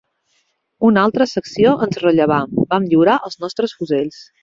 Una altra secció ens rellevà, vam lliurar els nostres fusells